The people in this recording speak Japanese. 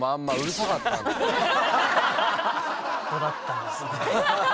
ここだったんですね。